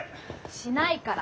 しないから。